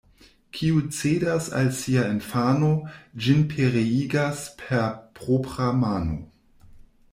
Kiu cedas al sia infano, ĝin pereigas per propra mano.